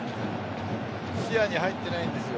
視野に入っていないんですよ。